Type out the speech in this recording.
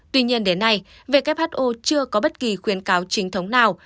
tuy nhiên đến nay who chưa có bất kỳ khuyến cáo chính thống nào